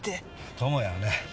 友也はね